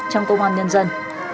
trong công an nhân dân